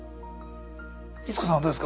逸子さんはどうですか。